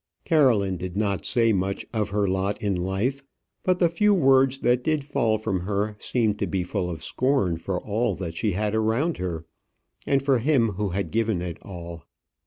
Caroline did not say much of her lot in life; but the few words that did fall from her seemed to be full of scorn for all that she had around her, and for him who had given it all.